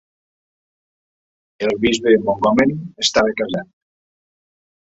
El Bisbe Montgomery estava casat.